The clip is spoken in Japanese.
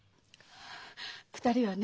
２人はね